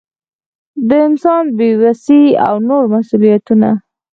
د انسان بې وسي او نور مسؤلیتونه.